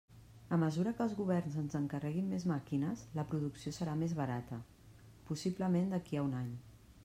A mesura que els governs ens encarreguin més màquines, la producció serà més barata, possiblement d'aquí a un any.